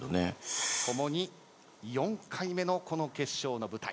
共に４回目のこの決勝の舞台。